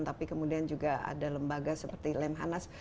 tapi kemudian juga ada lembaga seperti lemhanas